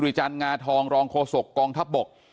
จุฬิจันทร์งาทองรองโฆษกกองทัพบก